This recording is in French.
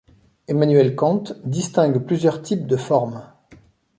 Emmanuel Kant distingue plusieurs types de formes.